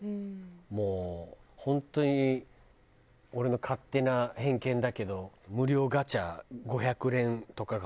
もう本当に俺の勝手な偏見だけど無料ガチャ５００連とかが欲しいんじゃない？